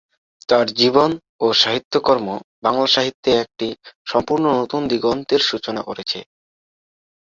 তার জীবন ও সাহিত্যকর্ম বাংলা সাহিত্যে একটি সম্পূর্ণ নতুন দিগন্তের সূচনা করেছে।